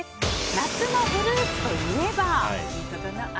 夏のフルーツといえば。